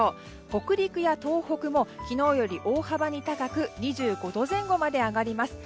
北陸や東北も昨日より大幅に高く２５度前後まで上がります。